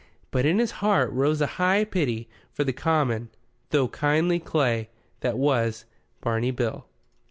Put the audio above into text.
But in his heart rose a high pity for the common though kindly clay that was Barney Bill.